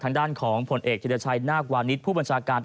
บินไทยบินไทยสุวารีโคศกคณะรักษาความสมบัติแห่งชาติ